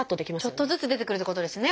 ちょっとずつ出てくるってことですね